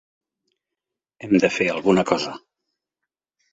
Hem de fer alguna cosa!